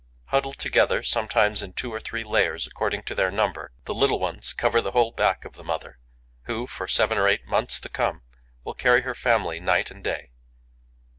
Huddled together, sometimes in two or three layers, according to their number, the little ones cover the whole back of the mother, who, for seven or eight months to come, will carry her family night and day.